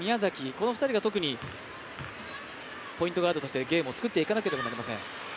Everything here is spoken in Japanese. この２人が特にポイントガードとしてゲームを作っていかなければなりません。